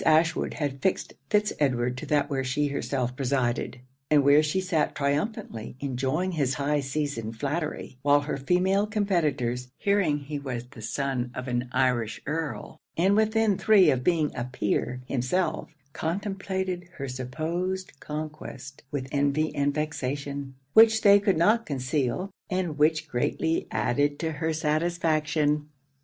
Ashwood had fixed Fitz Edward to that where she herself presided; and where she sat triumphantly enjoying his high seasoned flattery; while her female competitors, hearing he was the son of an Irish Earl, and within three of being a Peer himself, contemplated her supposed conquest with envy and vexation, which they could not conceal, and which greatly added to her satisfaction.